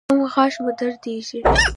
کوم غاښ مو دردیږي؟